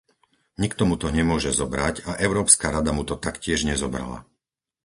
Nikto mu to nemôže zobrať a Európska rada mu to taktiež nezobrala.